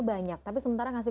sampai jumpa lagi